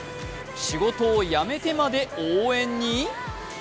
仕事をやめてまで応援に。